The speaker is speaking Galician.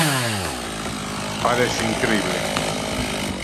Parece incrible.